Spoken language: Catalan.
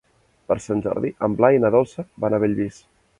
Per Sant Jordi en Blai i na Dolça van a Bellvís.